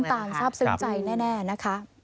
ต่างทราบซึ้งใจแน่นะคะ